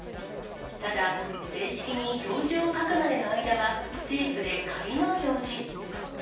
ただ、正式に標示を書くまでの間は、テープで仮の表示。